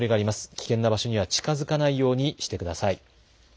危険な場所には近づかないようにしてください。